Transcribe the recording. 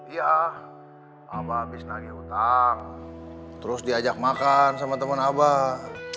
iya abah abis nage utang terus diajak makan sama temen abah